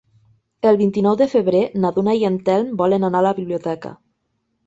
El vint-i-nou de febrer na Duna i en Telm volen anar a la biblioteca.